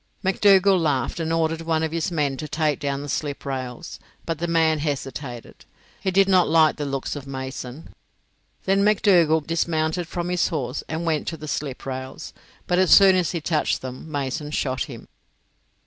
McDougall laughed, and ordered one of his men to take down the slip rails, but the man hesitated; he did not like the looks of Mason. Then McDougall dismounted from his horse and went to the slip rails, but as soon as he touched them Mason shot him.